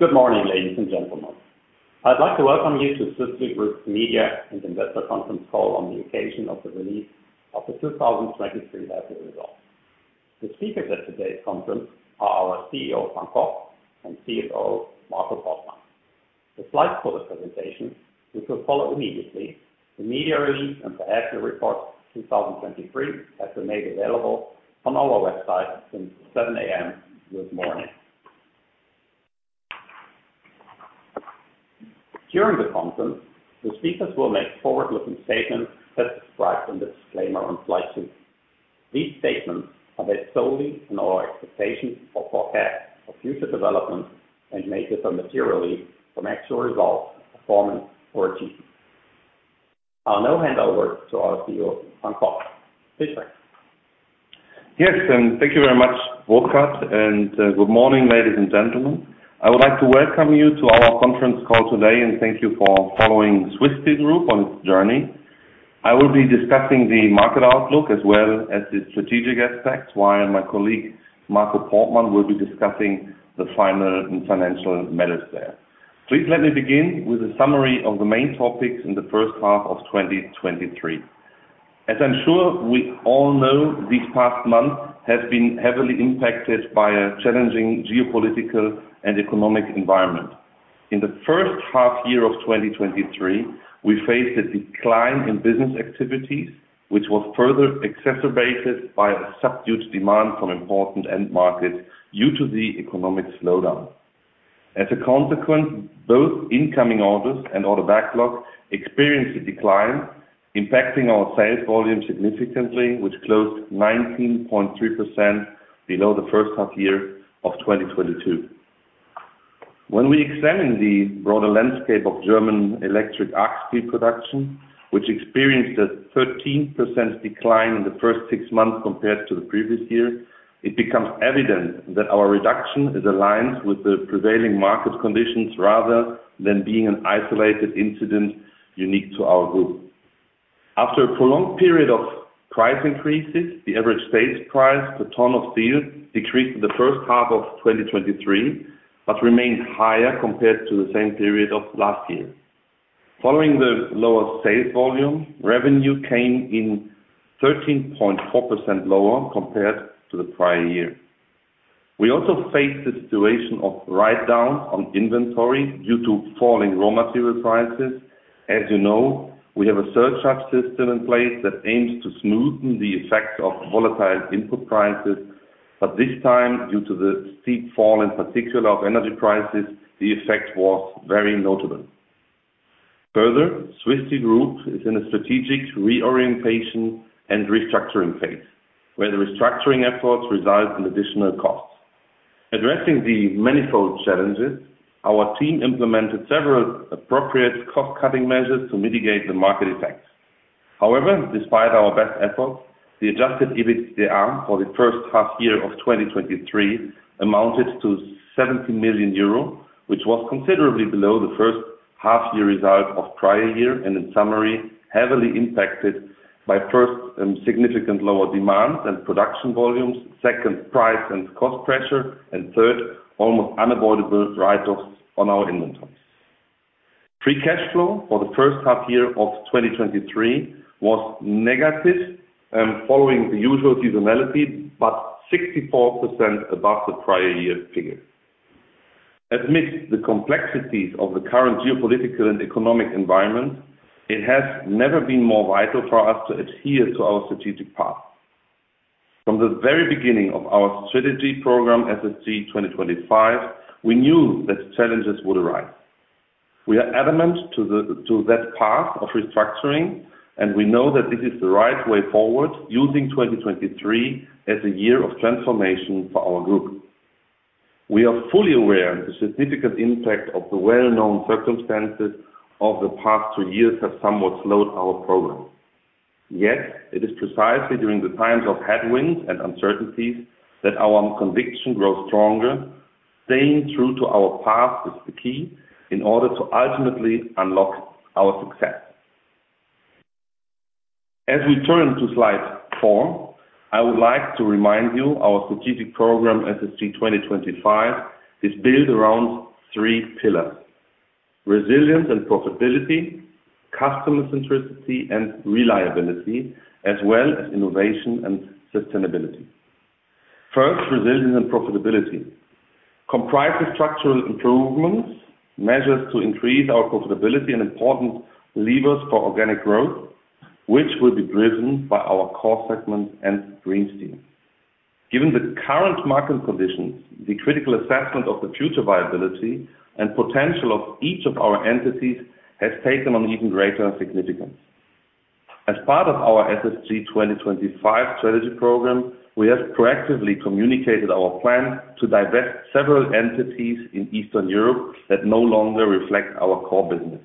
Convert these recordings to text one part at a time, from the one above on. Good morning, ladies and gentlemen. I'd like to welcome you to Swiss Steel Group's Media and Investor Conference Call on the occasion of the release of the 2023 half year results. The speakers at today's conference are our CEO, Frank Koch, and CFO, Marco Portmann. The slides for the presentation, which will follow immediately, the media release and the annual report 2023, have been made available on our website since 7:00 A.M. this morning. During the conference, the speakers will make forward-looking statements as described in the disclaimer on slide two. These statements are based solely on our expectations or forecast for future development and may differ materially from actual results, performance, or achievements. I'll now hand over to our CEO, Frank Koch. Please go ahead. Yes, thank you very much, Burkhard, good morning, ladies and gentlemen. I would like to welcome you to our conference call today, and thank you for following Swiss Steel Group on its journey. I will be discussing the market outlook as well as the strategic aspects, while my colleague, Marco Portmann, will be discussing the final and financial matters there. Please let me begin with a summary of the main topics in the first half of 2023. As I'm sure we all know, this past month has been heavily impacted by a challenging geopolitical and economic environment. In the first half year of 2023, we faced a decline in business activities, which was further exacerbated by a subdued demand from important end markets due to the economic slowdown. As a consequence, both incoming orders and order backlogs experienced a decline, impacting our sales volume significantly, which closed 19.3% below the first half-year of 2022. When we examine the broader landscape of German electric arc steel production, which experienced a 13% decline in the first six months compared to the previous year, it becomes evident that our reduction is aligned with the prevailing market conditions, rather than being an isolated incident unique to our group. After a prolonged period of price increases, the average sales price per ton of steel decreased in the first half of 2023, but remained higher compared to the same period of last year. Following the lower sales volume, revenue came in 13.4% lower compared to the prior year. We also faced the situation of write-down on inventory due to falling raw material prices. As you know, we have a surcharge system in place that aims to smoothen the effect of volatile input prices, but this time, due to the steep fall, in particular of energy prices, the effect was very notable. Further, Swiss Steel Group is in a strategic reorientation and restructuring phase, where the restructuring efforts result in additional costs. Addressing the manifold challenges, our team implemented several appropriate cost-cutting measures to mitigate the market effects. However, despite our best efforts, the adjusted EBITDA for the first half year of 2023 amounted to 70 million euro, which was considerably below the first half-year result of prior year, and in summary, heavily impacted by first, significant lower demand and production volumes, second, price and cost pressure, and third, almost unavoidable write-offs on our inventories. Free cash flow for the first half year of 2023 was negative, following the usual seasonality, but 64% above the prior year figure. Amidst the complexities of the current geopolitical and economic environment, it has never been more vital for us to adhere to our strategic path. From the very beginning of our strategy program, SSG 2025, we knew that challenges would arise. We are adamant to that path of restructuring. We know that this is the right way forward, using 2023 as a year of transformation for our group. We are fully aware the significant impact of the well-known circumstances of the past two years have somewhat slowed our program. It is precisely during the times of headwinds and uncertainties that our conviction grows stronger. Staying true to our path is the key in order to ultimately unlock our success. As we turn to slide four, I would like to remind you, our strategic program, SSG 2025, is built around three pillars: resilience and profitability, customer centricity and reliability, as well as innovation and sustainability. First, resilience and profitability. Comprised of structural improvements, measures to increase our profitability and important levers for organic growth, which will be driven by our core segment and green steel. Given the current market conditions, the critical assessment of the future viability and potential of each of our entities has taken on even greater significance. As part of our SSG 2025 strategy program, we have proactively communicated our plan to divest several entities in Eastern Europe that no longer reflect our core business.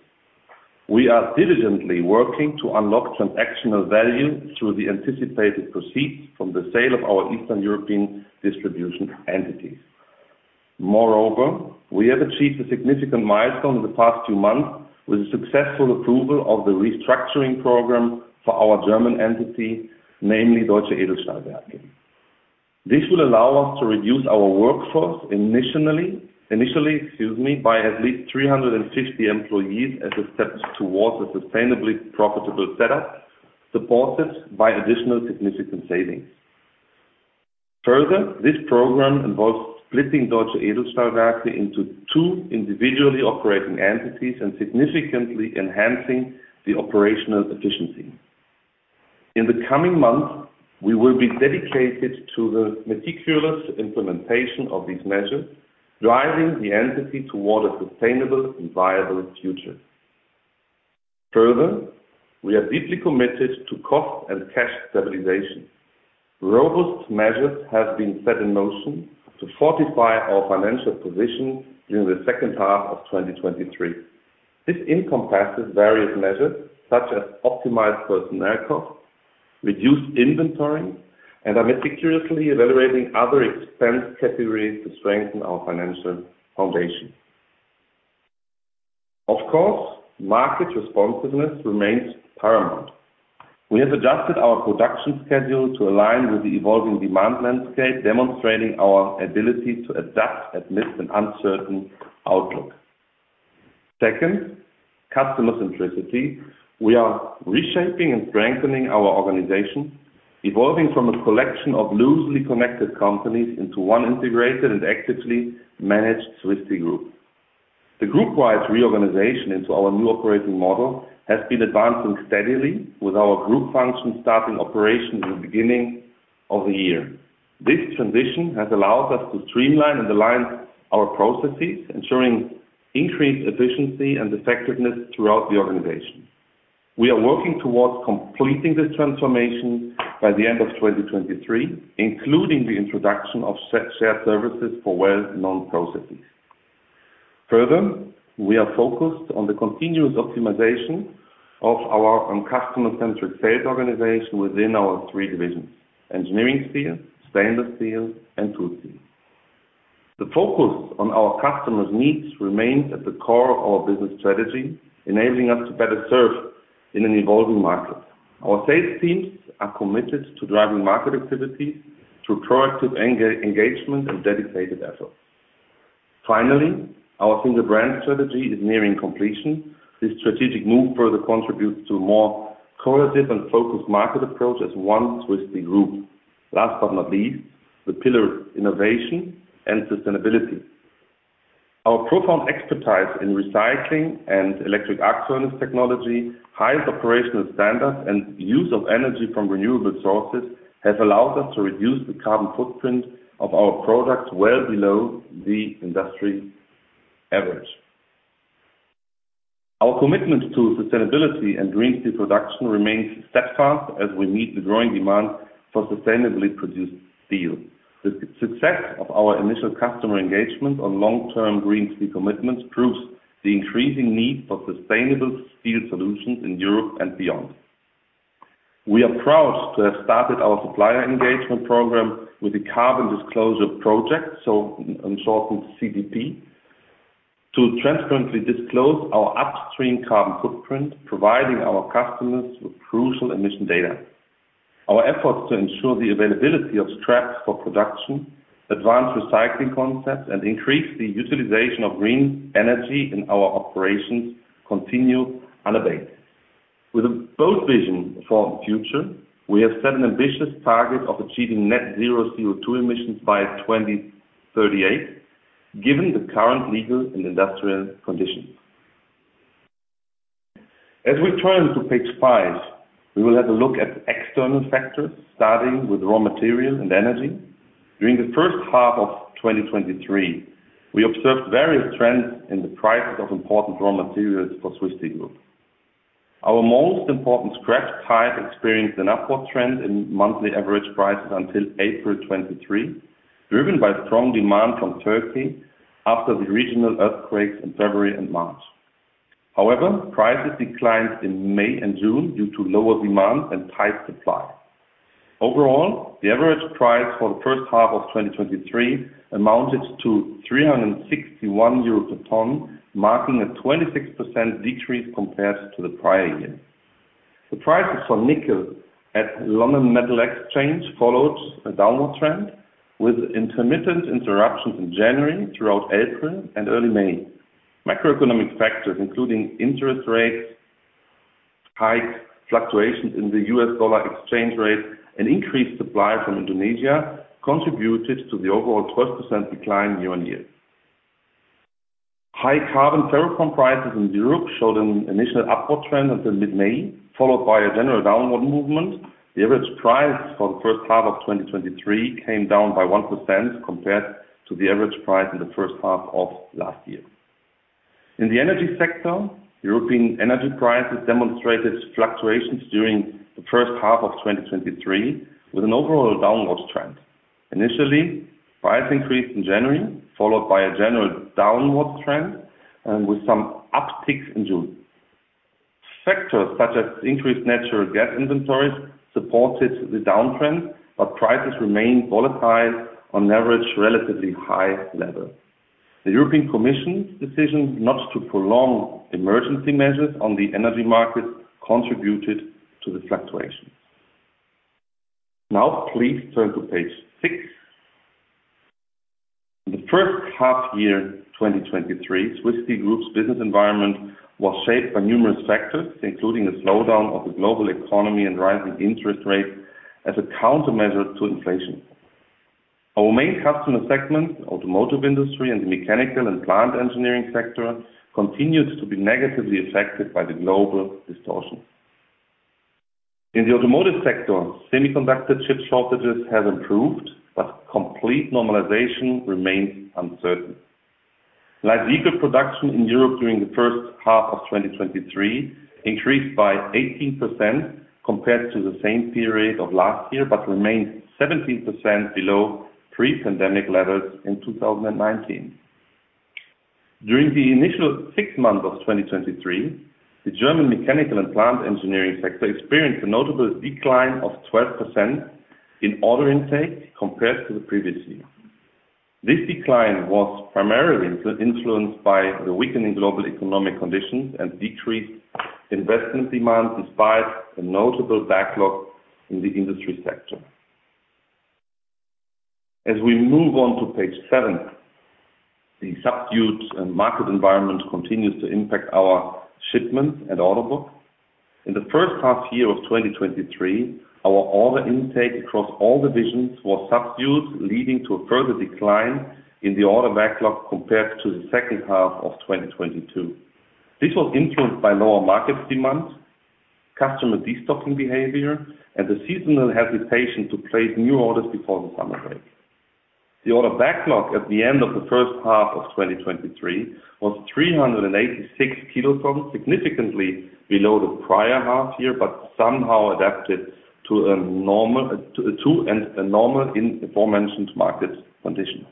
We are diligently working to unlock transactional value through the anticipated proceeds from the sale of our Eastern European distribution entities. Moreover, we have achieved a significant milestone in the past two months with the successful approval of the restructuring program for our German entity, namely DEW sustainably profitable setup, supported by additional significant savings. Further, this program involves splitting DEW into two individually operating entities and significantly enhancing the operational efficiency. In the coming months, we will be dedicated to the meticulous implementation of these measures, driving the entity toward a sustainable and viable future. Further, we are deeply committed to cost and cash stabilization. Robust measures have been set in motion to fortify our financial position during the second half of 2023. This encompasses various measures such as optimized personnel costs, reduced inventory, and are meticulously evaluating other expense categories to strengthen our financial foundation. Of course, market responsiveness remains paramount. We have adjusted our production schedule to align with the evolving demand landscape, demonstrating our ability to adapt amidst an uncertain outlook. Second, customer centricity. We are reshaping and strengthening our organization, evolving from a collection of loosely connected companies into one integrated and actively managed Swiss Steel Group. The group-wide reorganization into our new operating model has been advancing steadily, with our group function starting operations in the beginning of the year. This transition has allowed us to streamline and align our processes, ensuring increased efficiency and effectiveness throughout the organization. We are working towards completing this transformation by the end of 2023, including the introduction of set shared services for well-known processes. Further, we are focused on the continuous optimization of our and customer-centric sales organization within our three divisions: engineering steel, stainless steel, and tool steel. The focus on our customers' needs remains at the core of our business strategy, enabling us to better serve in an evolving market. Our sales teams are committed to driving market activity through proactive engagement and dedicated efforts. Finally, our single brand strategy is nearing completion. This strategic move further contributes to a more cohesive and focused market approach as one Swiss Steel Group. Last but not least, the pillar innovation and sustainability. Our profound expertise in recycling and electric arc furnace technology, highest operational standards, and use of energy from renewable sources, has allowed us to reduce the carbon footprint of our products well below the industry average. Our commitment to sustainability and green steel production remains steadfast as we meet the growing demand for sustainably produced steel. The success of our initial customer engagement on long-term green steel commitments proves the increasing need for sustainable steel solutions in Europe and beyond. We are proud to have started our supplier engagement program with the Carbon Disclosure Project, so in shortened CDP, to transparently disclose our upstream carbon footprint, providing our customers with crucial emission data. Our efforts to ensure the availability of scrap for production, advanced recycling concepts, and increase the utilization of green energy in our operations continue unabated. With a bold vision for the future, we have set an ambitious target of achieving net-zero CO₂ emissions by 2038, given the current legal and industrial conditions. As we turn to page five, we will have a look at external factors, starting with raw materials and energy. During the first half of 2023, we observed various trends in the prices of important raw materials for Swiss Steel Group. Our most important scrap type experienced an upward trend in monthly average prices until April 2023, driven by strong demand from Turkey after the regional earthquakes in February and March. However, prices declined in May and June due to lower demand and tight supply. Overall, the average price for the first half of 2023 amounted to 361 euro a ton, marking a 26% decrease compared to the prior year. The prices for nickel at London Metal Exchange followed a downward trend, with intermittent interruptions in January throughout April and early May. Macroeconomic factors, including interest rates, high fluctuations in the US dollar exchange rate, and increased supply from Indonesia, contributed to the overall 12% decline year-on-year. High-carbon ferrochrome prices in Europe showed an initial upward trend until mid-May, followed by a general downward movement. The average price for the first half of 2023 came down by 1% compared to the average price in the first half of last year. In the energy sector, European energy prices demonstrated fluctuations during the first half of 2023, with an overall downward trend. Initially, prices increased in January, followed by a general downward trend and with some upticks in June. Factors such as increased natural gas inventories supported the downtrend, but prices remained volatile on average, relatively high level. The European Commission's decision not to prolong emergency measures on the energy market contributed to the fluctuations. Now, please turn to page six. In the first half year, 2023, Swiss Steel Group's business environment was shaped by numerous factors, including a slowdown of the global economy and rising interest rates as a countermeasure to inflation. Our main customer segment, automotive industry, and the mechanical and plant engineering sector, continued to be negatively affected by the global distortion. In the automotive sector, semiconductor chip shortages have improved, but complete normalization remains uncertain. Light vehicle production in Europe during the first half of 2023, increased by 18% compared to the same period of last year, but remained 17% below pre-pandemic levels in 2019. During the initial six months of 2023, the German mechanical and plant engineering sector experienced a notable decline of 12% in order intake, compared to the previous year. This decline was primarily influenced by the weakening global economic conditions and decreased investment demand, despite the notable backlog in the industry sector. As we move on to page seven, the subdued market environment continues to impact our shipments and order book. In the first half year of 2023, our order intake across all divisions was subdued, leading to a further decline in the order backlog compared to the second half of 2022. This was influenced by lower market demand, customer destocking behavior, and the seasonal hesitation to place new orders before the summer break. The order backlog at the end of the first half of 2023, was 386 kilotons, significantly below the prior half year, but somehow adapted to a normal, to and a normal in the forementioned market condition.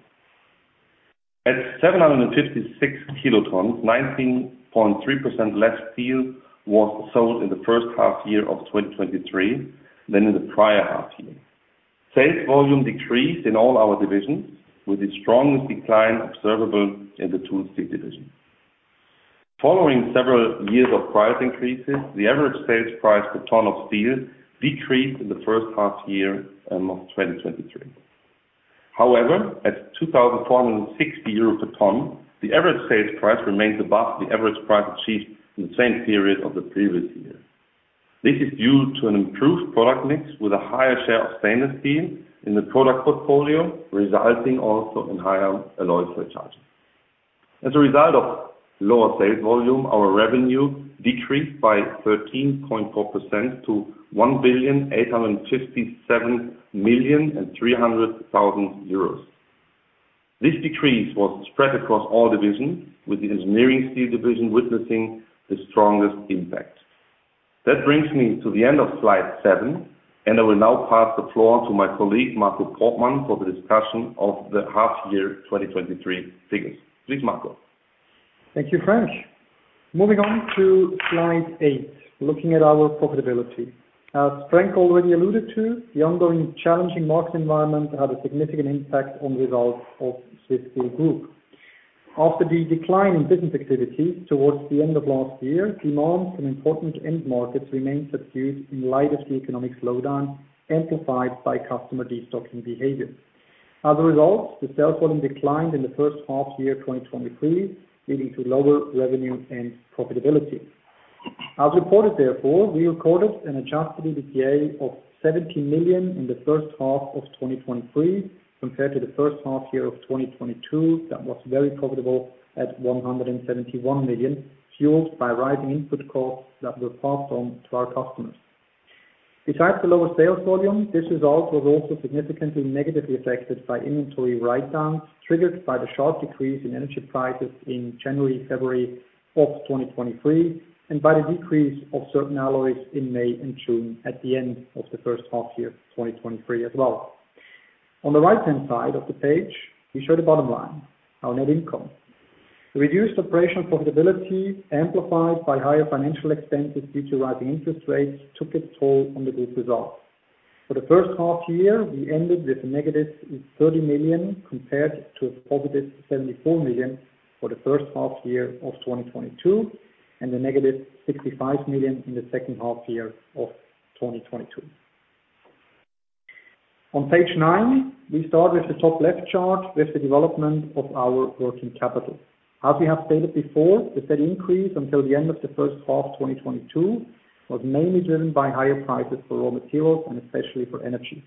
At 756 kilotons, 19.3% less steel was sold in the first half year of 2023 than in the prior half year. Sales volume decreased in all our divisions, with the strongest decline observable in the Tool Steel Division. Following several years of price increases, the average sales price per ton of steel decreased in the first half year of 2023. However, at 2,460 euros per ton, the average sales price remains above the average price achieved in the same period of the previous year. This is due to an improved product mix with a higher share of stainless steel in the product portfolio, resulting also in higher alloy surcharges. As a result of lower sales volume, our revenue decreased by 13.4% to 1.8573 billion. This decrease was spread across all divisions, with the Engineering Steel Division witnessing the strongest impact. That brings me to the end of slide seven, and I will now pass the floor on to my colleague, Marco Portmann, for the discussion of the half year 2023 figures. Please, Marco. Thank you, Frank. Moving on to slide eight, looking at our profitability. As Frank already alluded to, the ongoing challenging market environment had a significant impact on the results of Swiss Steel Group. After the decline in business activity towards the end of last year, demand from important end markets remained subdued in light of the economic slowdown, amplified by customer destocking behavior. As a result, the sales volume declined in the first half year 2023, leading to lower revenue and profitability. As reported therefore, we recorded an adjusted EBITDA of $70 million in the first half of 2023, compared to the first half year of 2022. That was very profitable at $171 million, fueled by rising input costs that were passed on to our customers. Besides the lower sales volume, this result was also significantly negatively affected by inventory write-downs, triggered by the sharp decrease in energy prices in January, February of 2023, and by the decrease of certain alloys in May and June at the end of the first half year, 2023 as well. On the right-hand side of the page, we show the bottom line, our net income. Reduced operational profitability, amplified by higher financial expenses due to rising interest rates, took its toll on the group's results. For the first half year, we ended with a negative $30 million, compared to a positive $74 million for the first half year of 2022, and the negative $65 million in the second half year of 2022. On page nine, we start with the top left chart with the development of our working capital. As we have stated before, the steady increase until the end of the first half 2022, was mainly driven by higher prices for raw materials and especially for energy.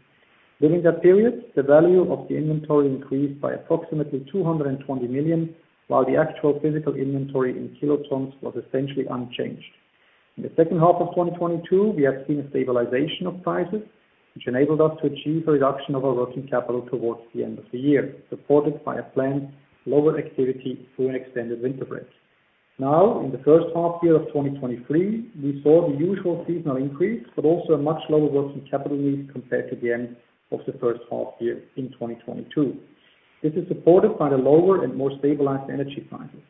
During that period, the value of the inventory increased by approximately $220 million, while the actual physical inventory in kilotons was essentially unchanged. In the second half of 2022, we have seen a stabilization of prices, which enabled us to achieve a reduction of our working capital towards the end of the year, supported by a planned lower activity through an extended winter break. In the first half 2023, we saw the usual seasonal increase, but also a much lower working capital need compared to the end of the first half 2022. This is supported by the lower and more stabilized energy prices....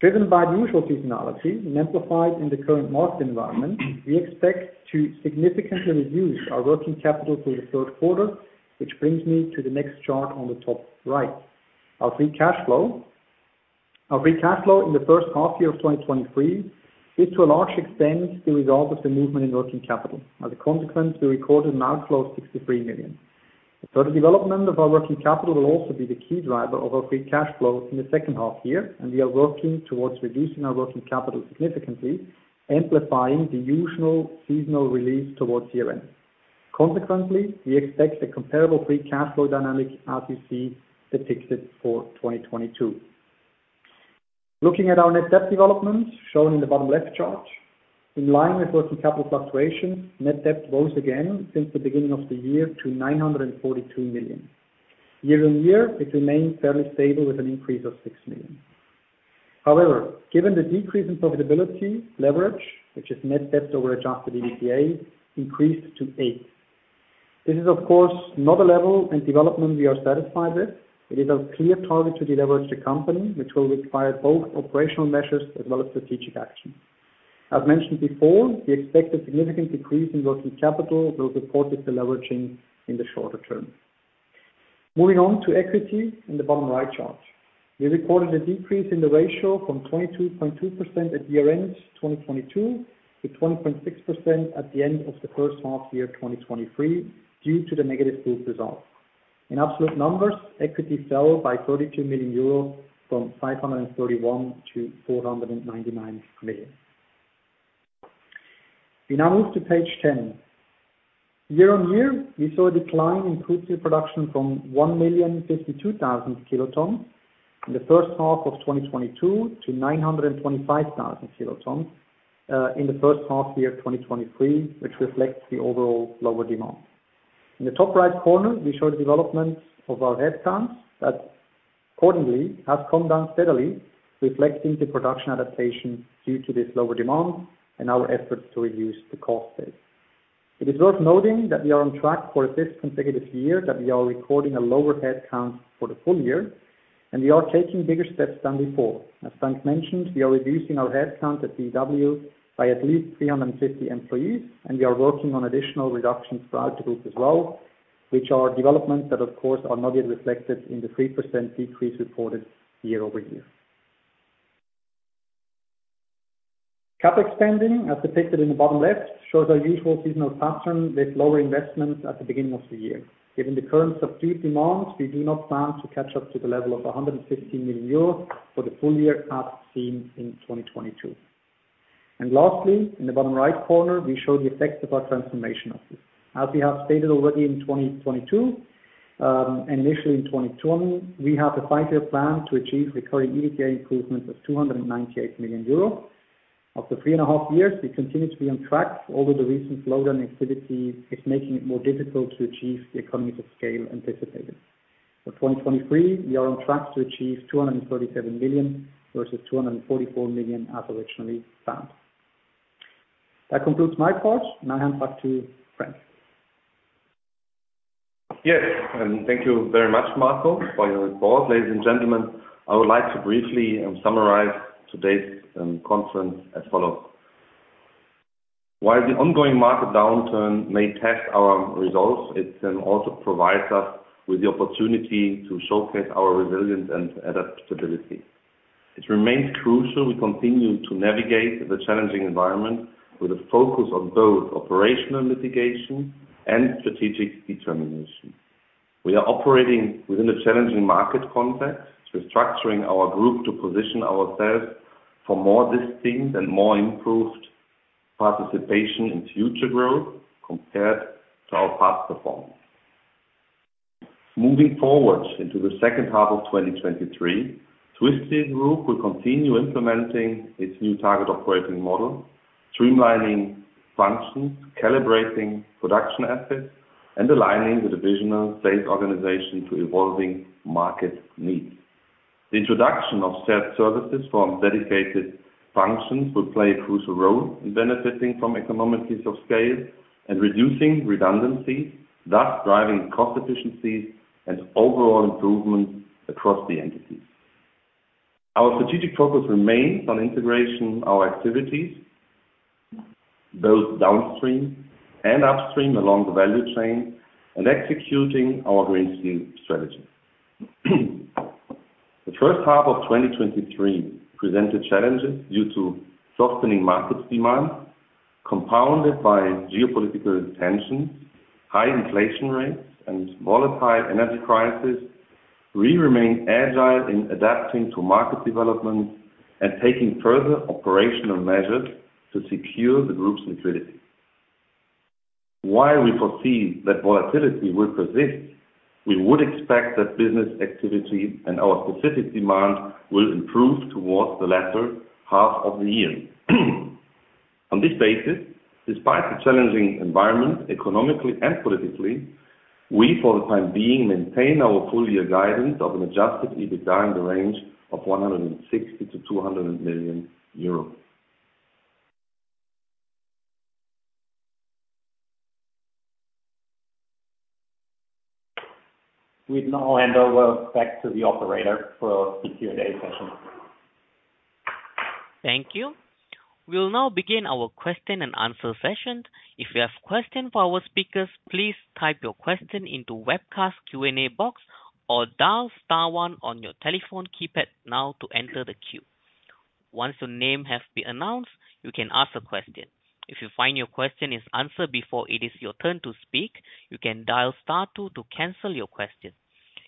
driven by the usual seasonality and amplified in the current market environment, we expect to significantly reduce our working capital through the Q3, which brings me to the next chart on the top right. Our free cash flow, our free cash flow in the first half year of 2023, is to a large extent, the result of the movement in working capital. As a consequence, we recorded an outflow of $63 million. The development of our working capital will also be the key driver of our free cash flow in the second half year. We are working towards reducing our working capital significantly, amplifying the usual seasonal release towards the year end. Consequently, we expect a comparable free cash flow dynamic, as you see depicted for 2022. Looking at our net debt development, shown in the bottom left chart, in line with working capital fluctuations, net debt rose again since the beginning of the year to 942 million. Year-on-year, it remains fairly stable with an increase of 6 million. However, given the decrease in profitability leverage, which is net debt over adjusted EBITDA, increased to eight. This is, of course, not a level and development we are satisfied with. It is our clear target to deleverage the company, which will require both operational measures as well as strategic action. As mentioned before, we expect a significant decrease in working capital will support the deleveraging in the shorter term. Moving on to equity in the bottom right chart. We recorded a decrease in the ratio from 22.2% at year end, 2022, to 20.6% at the end of the first half year, 2023, due to the negative group results. In absolute numbers, equity fell by 32 million euros, from 531 million to 499 million. We now move to page 10. Year-on-year, we saw a decline in crude steel production from 1,052,000 kilotons in the first half of 2022 to 925,000 kilotons in the first half year, 2023, which reflects the overall lower demand. In the top right corner, we show the development of our headcount that accordingly has come down steadily, reflecting the production adaptation due to this lower demand and our efforts to reduce the cost base. It is worth noting that we are on track for a fifth consecutive year, that we are recording a lower headcount for the full year, and we are taking bigger steps than before. As Frank mentioned, we are reducing our headcount at BW by at least 350 employees, and we are working on additional reductions throughout the group as well, which are developments that, of course, are not yet reflected in the 3% decrease reported year-over-year. Cap spending, as depicted in the bottom left, shows our usual seasonal pattern with lower investments at the beginning of the year. Given the current subdued demand, we do not plan to catch up to the level of 115 million euros for the full year cap seen in 2022. Lastly, in the bottom right corner, we show the effects of our transformation office. As we have stated already in 2022, and initially in 2020, we have a five-year plan to achieve recurring EBITDA improvements of 298 million euro. After three and a half years, we continue to be on track, although the recent slowdown in activity is making it more difficult to achieve the economies of scale anticipated. For 2023, we are on track to achieve 237 million versus 244 million as originally planned. That concludes my part, and I hand back to Frank. Yes, and thank you very much, Marco, for your report. Ladies and gentlemen, I would like to briefly summarize today's conference as follows: While the ongoing market downturn may test our results, it also provides us with the opportunity to showcase our resilience and adaptability. It remains crucial we continue to navigate the challenging environment with a focus on both operational mitigation and strategic determination. We are operating within a challenging market context. We're structuring our group to position ourselves for more distinct and more improved participation in future growth compared to our past performance. Moving forward into the second half of 2023, Swiss Steel Group will continue implementing its new target operating model, streamlining functions, calibrating production assets, and aligning the divisional-based organization to evolving market needs. The introduction of shared services from dedicated functions will play a crucial role in benefiting from economies of scale and reducing redundancies, thus driving cost efficiencies and overall improvement across the entities. Our strategic focus remains on integration our activities, both downstream and upstream, along the value chain, and executing our green steel strategy. The first half of 2023 presented challenges due to softening markets demand, compounded by geopolitical tensions, high inflation rates, and volatile energy prices. We remain agile in adapting to market developments and taking further operational measures to secure the group's liquidity. While we foresee that volatility will persist, we would expect that business activity and our specific demand will improve towards the latter half of the year. On this basis, despite the challenging environment, economically and politically, we, for the time being, maintain our full year guidance of an adjusted EBITDA in the range of 160 million-200 million euros. We'd now hand over back to the operator for Q&A session. Thank you. We'll now begin our question and answer session. If you have question for our speakers, please type your question into webcast Q&A box, or dial star one on your telephone keypad now to enter the queue. Once your name has been announced, you can ask a question. If you find your question is answered before it is your turn to speak, you can dial star two to cancel your question.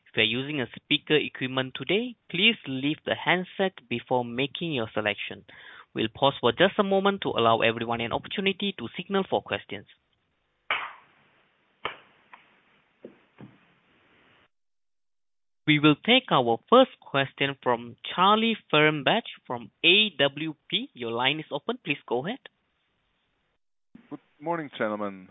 If you're using a speaker equipment today, please leave the handset before making your selection. We'll pause for just a moment to allow everyone an opportunity to signal for questions. We will take our first question from Charlie Fehrenbach from AWP. Your line is open. Please go ahead. Good morning, gentlemen.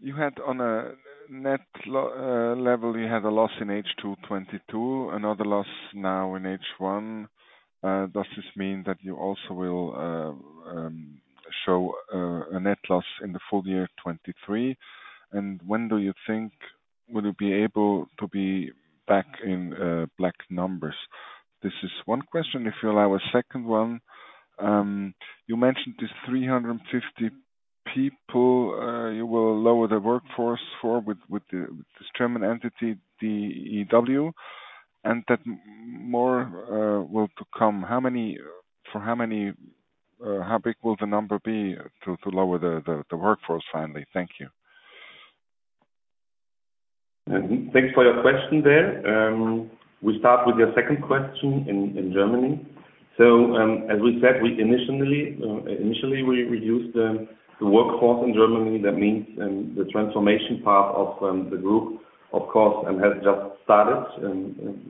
You had on a net level, you had a loss in H2 2022, another loss now in H1. Does this mean that you also will show a net loss in the full year 2023? When do you think will you be able to be back in black numbers? This is one question. If you allow a second one. You mentioned this 350 people, you will lower the workforce for, with the, this German entity, DEW, and that more will to come. For how many, how big will the number be to, to lower the, the, the workforce finally? Thank you. Thanks for your question there. We'll start with your second question in Germany. As we said, we initially reduced the workforce in Germany. That means, the transformation part of the group, of course, has just started.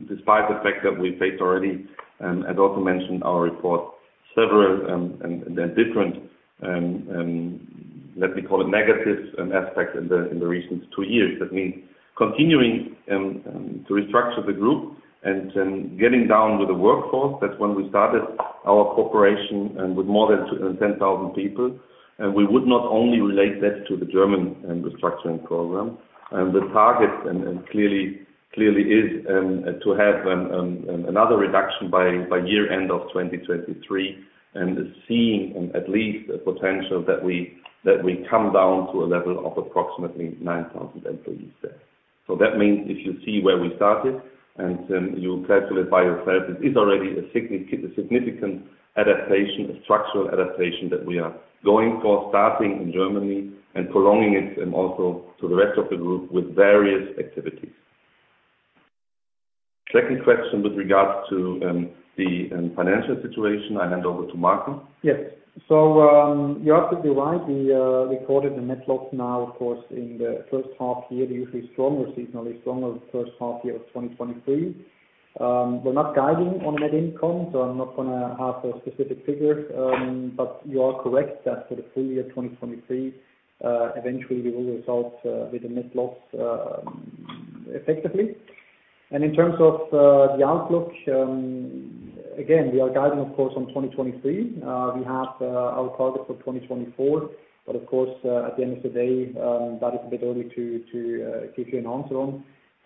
Despite the fact that we faced already, as also mentioned our report, several and different, let me call it negatives and aspects in the recent two years. That means continuing to restructure the group and getting down with the workforce. That's when we started our corporation and with more than 10,000 people, we would not only relate that to the German restructuring program. The target, and clearly, clearly is to have another reduction by year end of 2023, and seeing at least a potential that we come down to a level of approximately 9,000 employees there. That means if you see where we started, and then you calculate by yourself, it is already a significant adaptation, a structural adaptation that we are going for, starting in Germany and prolonging it, and also to the rest of the group with various activities. Second question with regards to the financial situation. I hand over to Marco. Yes. You're absolutely right. We recorded a net loss now, of course, in the first half year, the usually stronger, seasonally stronger first half year of 2023. We're not guiding on net income, so I'm not gonna have a specific figure. But you are correct that for the full year, 2023, eventually we will result with a net loss effectively. In terms of the outlook, again, we are guiding, of course, on 2023. We have our target for 2024, but of course, at the end of the day, that is a bit early to, to give you an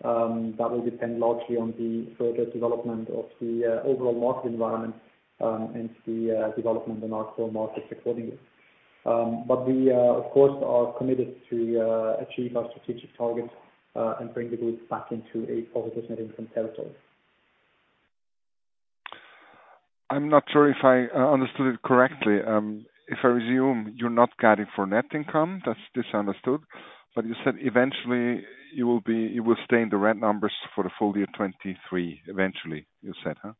answer on. That will depend largely on the further development of the overall market environment and the development in our core markets accordingly. We, of course, are committed to achieve our strategic targets, and bring the group back into a positive net income territory. I'm not sure if I understood it correctly. If I assume you're not guiding for net income, that's misunderstood, but you said eventually you will stay in the red numbers for the full year 2023. Eventually, you said, huh?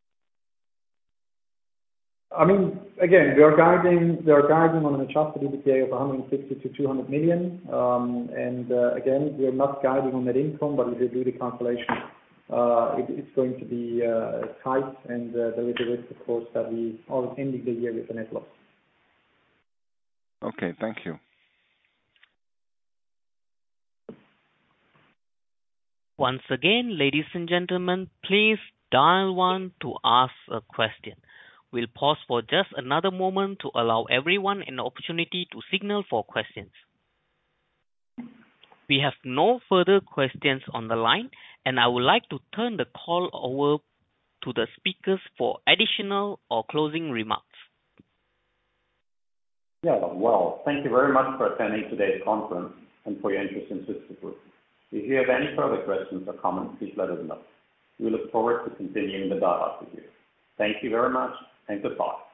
I mean, again, we are guiding, we are guiding on an adjusted EBITDA of $160 million-$200 million. Again, we are not guiding on net income, but if you do the calculation, it's going to be tight, and there is a risk, of course, that we are ending the year with a net loss. Okay, thank you. Once again, ladies and gentlemen, please dial one to ask a question. We'll pause for just another moment to allow everyone an opportunity to signal for questions. We have no further questions on the line, and I would like to turn the call over to the speakers for additional or closing remarks. Yeah. Well, thank you very much for attending today's conference and for your interest in Swiss Steel Group. If you have any further questions or comments, please let us know. We look forward to continuing the dialogue with you. Thank you very much, and goodbye.